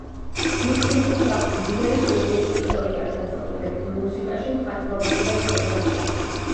ლუქსემბურგს აქვს მდიდარი კულტურული ისტორია, განსაკუთრებით: მუსიკაში, მხატვრობაში და ფოტოგრაფიაში.